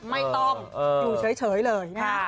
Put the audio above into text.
ไม่ต้องอยู่เฉยเลย